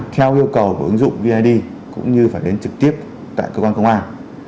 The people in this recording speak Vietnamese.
theo yêu cầu của ứng dụng vneid cũng như phải đến trực tiếp tại cơ quan công an